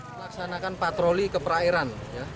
melaksanakan patroli ke perairan